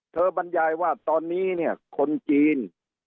บรรยายว่าตอนนี้เนี่ยคนจีน